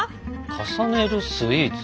重ねるスイーツ？